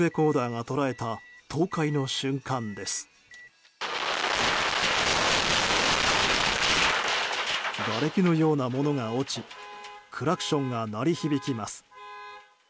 がれきのようなものが落ちクラクションが鳴り響きます。